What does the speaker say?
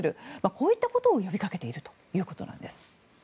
こういったことを呼びかけているということなんです。